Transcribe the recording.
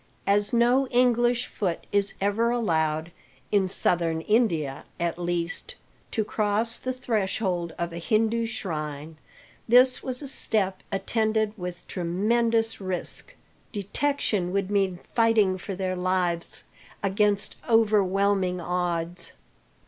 As no English foot is ever allowed in Southern India, at least to cross the threshold of a Hindu shrine, this was a step attended with tremendous risk. Detection would mean fighting for their lives against overwhelming odds.